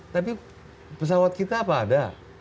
tapi pesawat kita apa ada